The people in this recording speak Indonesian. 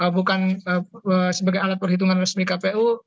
bukan sebagai alat perhitungan resmi kpu